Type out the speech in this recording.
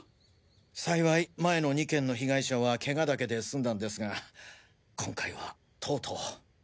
幸い前の２件の被害者は怪我だけで済んだんですが今回はとうとう。